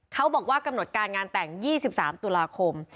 เขาบอกว่ากำหนดการงานแต่ง๒๓ตุลาคม